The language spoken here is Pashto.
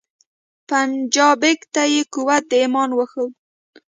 پنجابک ته یې قوت د ایمان وښود